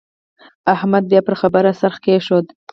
احمد بيا پر خبره څرخ کېښود.